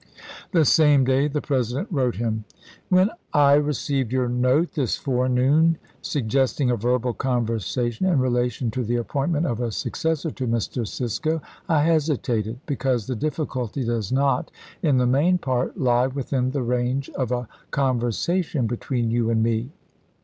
" The *£ a§f same day the President wrote him : When I received your note this forenoon suggesting a verbal conversation in relation to the appointment of a successor to Mr. Cisco, I hesitated, because the difficulty does not, in the main part, lie within the range of a con versation between you and me.